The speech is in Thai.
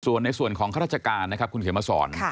ส่วนในส่วนของข้าราชการนะครับคุณเขียนมาสอน